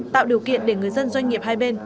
tạo điều kiện để người dân doanh nghiệp hai bên